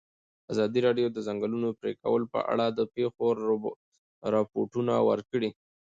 ازادي راډیو د د ځنګلونو پرېکول په اړه د پېښو رپوټونه ورکړي.